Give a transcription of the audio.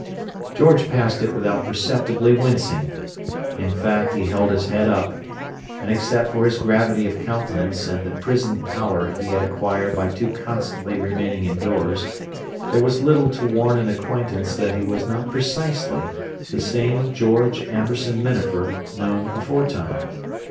George passed it without perceptibly wincing; in fact, he held his head up, and except for his gravity of countenance and the prison pallor he had acquired by too constantly remaining indoors, there was little to warn an acquaintance that he was not precisely the same George Amberson Minafer known aforetime.